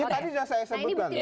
tadi sudah saya sebutkan